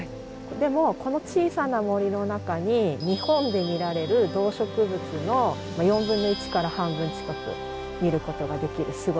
でもこの小さな森の中に日本で見られる動植物の４分の１から半分近く見ることができるすごい森なんですね。